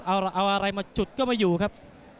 เอาอะไรมาจุดก็ไม่อยู่ครับ